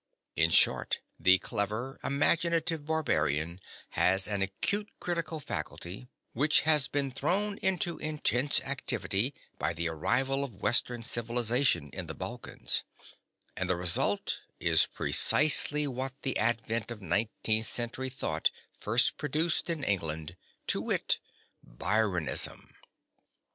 In short, the clever, imaginative barbarian has an acute critical faculty which has been thrown into intense activity by the arrival of western civilization in the Balkans; and the result is precisely what the advent of nineteenth century thought first produced in England: to wit, Byronism.